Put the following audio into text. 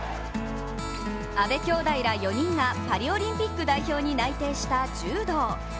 阿部きょうだいら４人がパリオリンピック代表に内定した柔道。